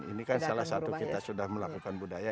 ini kan salah satu kita sudah melakukan budaya